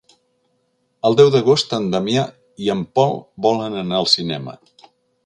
El deu d'agost en Damià i en Pol volen anar al cinema.